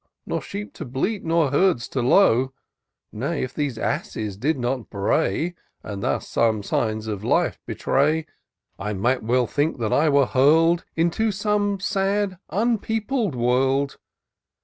Nor sheep to bleat, nor herds to low Nay, if these asses did not bray, And thus some signs of life betray, I well might think that I were hurl'd Into some sad, unpeopled world.